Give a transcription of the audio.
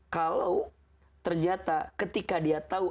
kalau ternyata ketika dia tahu